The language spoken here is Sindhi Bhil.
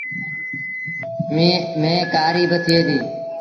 ميݩهن ڪآريٚ با ٿئي ديٚ ۔